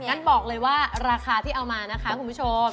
งั้นบอกเลยว่าราคาที่เอามานะคะคุณผู้ชม